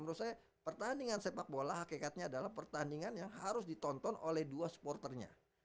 menurut saya pertandingan sepak bola hakikatnya adalah pertandingan yang harus ditonton oleh dua supporternya